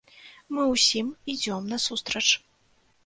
Мы ўсім ідзём насустрач.